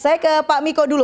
saya ke pak miko dulu